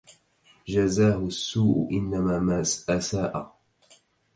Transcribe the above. جازَهُ السوءُ إنه ما أساءَ